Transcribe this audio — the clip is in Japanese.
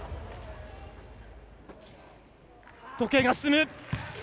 時計が進む。